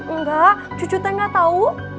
enggak cucu tak tahu